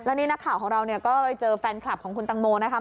แล้วนี่นักข่าวของเราก็เจอแฟนคลับของคุณอุตังโมนะคะ